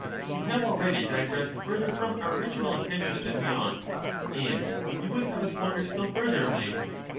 We have already digressed further from our original intention than we ought, and you would have us wander still further away.